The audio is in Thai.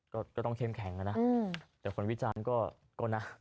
ก็ต้องเข้มแข็งนะแต่คนวิจารณ์ก็นะ